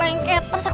ya udahlah put